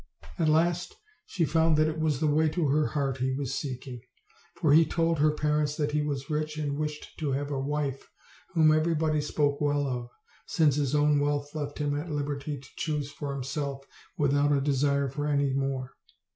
At last she found that it was the way to her heart he was seeking; for he told her parents that he was rich, and wished to have a wife whom everybody spoke well of, since his own wealth left him at liberty to choose for himself, without a desire for any more.